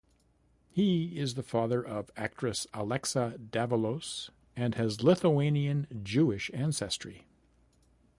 He is the father of actress Alexa Davalos and has Lithuanian-Jewish ancestry.